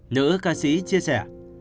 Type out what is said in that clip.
những ca sĩ chia sẻ